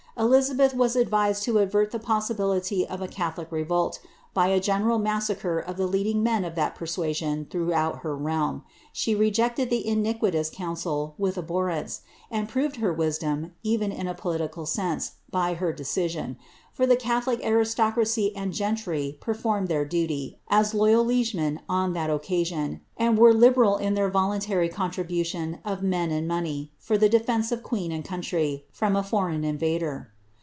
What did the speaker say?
Elizabeth was advised to avert the possibility of a Catholic revolt, by a general massacre of the leading men of that persuasion throughout her realm. She rejected the iniquitous counsel with abhorrence, and proved her wisdom, even in a political sense, by her decision, for the Geitholic aristocracy and gentry performed their duty, as loyal liegemen, on that occasion, and were libe ral in their voluntary contribution of men and money, for the defence of qneen and country, from a foreign invader.'